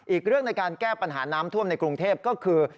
อีกเรื่องในการแก้ปัญหาน้ำท่วมในกรุงเทพก็คือ